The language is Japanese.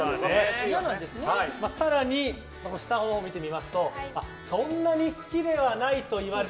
更に下のほうを見てみますとそんなに好きではないと言われた。